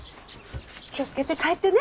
気を付けて帰ってね。